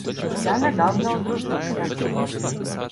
Я недавно одружився.